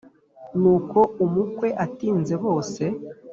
Nuko umukwe atinze bose